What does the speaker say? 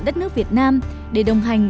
đất nước việt nam để đồng hành